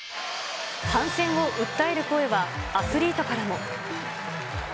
反戦を訴える声は、アスリートからも。